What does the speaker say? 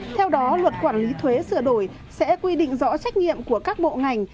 theo đó luật quản lý thuế sửa đổi sẽ quy định rõ trách nhiệm của các bộ ngành